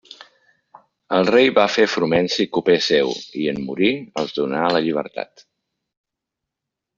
El rei va fer Frumenci coper seu i, en morir, els donà la llibertat.